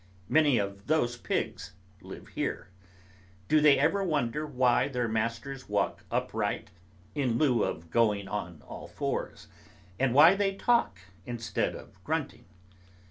Many of those pigs live here. Do they ever wonder why their masters walk upright in lieu of going on all fours? and why they talk instead of grunting?